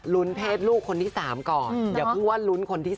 ลุ้นเพศลูกคนที่๓ก่อนเดี๋ยวพูดว่าลุ้นคนที่๔